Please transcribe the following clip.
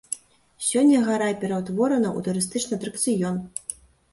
Сёння гара пераўтворана ў турыстычны атракцыён.